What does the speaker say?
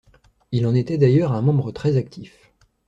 Il en était d’ailleurs un membre très actif.